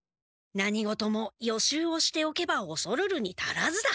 何事も予習をしておけばおそるるに足らずだ。